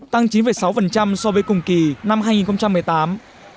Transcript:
tăng chín sáu so với cùng kỳ năm hai nghìn một mươi tám